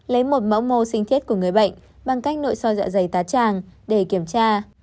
lấy một mẫu mô sinh thiết của người bệnh bằng cách nội soi dạ dày tá tràng để kiểm tra